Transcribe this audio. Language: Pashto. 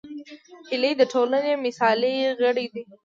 هیلۍ د ټولنې مثالي غړې ده